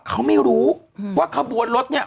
เขาไม่รู้ว่าขบวนรถเนี่ย